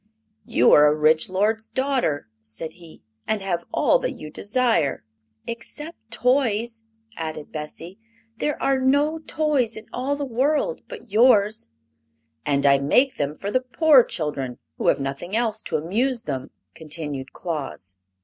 "You are a rich lord's daughter," said he, "and have all that you desire." "Except toys," added Bessie. "There are no toys in all the world but yours." "And I make them for the poor children, who have nothing else to amuse them," continued Claus.